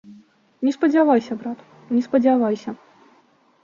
Не спадзявайся, брат, не спадзявайся.